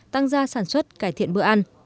tăng gia sản xuất cải thiện bữa ăn